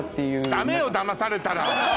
ダメよだまされたら！